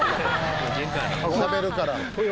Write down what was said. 「しゃべるから」